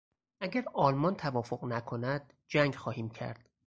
اگر آلمان توافق نکند، جنگ خواهیم کرد.